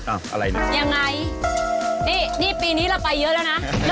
อะไรนะยังไงนี่นี่ปีนี้เราไปเยอะแล้วนะ